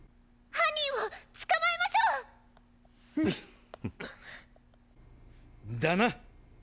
犯人を捕まえましょう！だな。